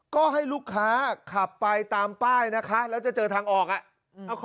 ก็ให้ลูกค้าขับไปตามป้ายนะคะแล้วจะเจอทางออกอ่ะ